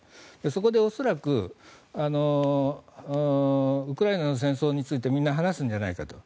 そこで恐らくウクライナの戦争についてみんな話すんじゃないかと。